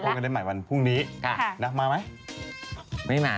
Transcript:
พบกันได้ใหม่วันพรุ่งนี้มาไหม